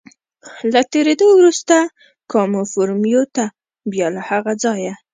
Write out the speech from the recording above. له تېرېدو وروسته کاموفورمیو ته، بیا له هغه ځایه.